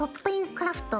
クラフト」